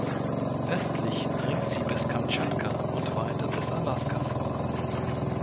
Östlich dringt sie bis Kamtschatka und weiter bis Alaska vor.